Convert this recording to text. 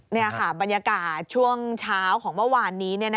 นี่ค่ะบรรยากาศช่วงเช้าของเมื่อวานนี้